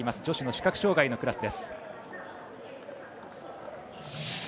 女子の視覚障がいのクラスです。